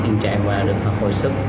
tình trạng và được hội sức